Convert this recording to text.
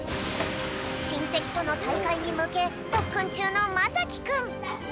しんせきとのたいかいにむけとっくんちゅうのまさきくん。